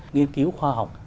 nghiên cứu khoa học